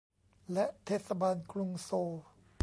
และเทศบาลกรุงโซล